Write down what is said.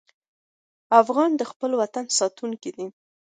افغان د خپل وطن ساتونکی دی.